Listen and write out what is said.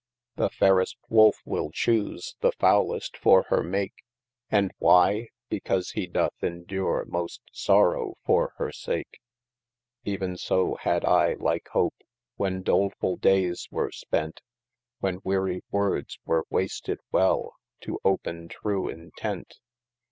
The fairest Woulf will choose the foulest for hir make, And why ? because he doth indure most sorrow for hir sake : Even so had \I HkeJ hope, when dolefull dales were spent When wearie wordes were wasted well, to open true entent.